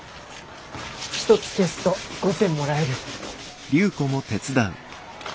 １つ消すと５銭もらえる。